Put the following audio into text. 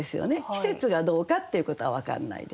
季節がどうかっていうことは分かんないですけど